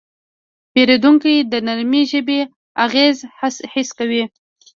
پیرودونکی د نرمې ژبې اغېز حس کوي.